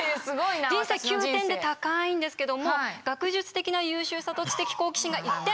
人生９点で高いんですけども学術的な優秀さと知的好奇心が１点。